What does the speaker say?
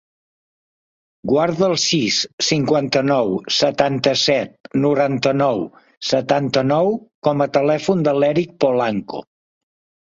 Guarda el sis, cinquanta-nou, setanta-set, noranta-nou, setanta-nou com a telèfon de l'Èric Polanco.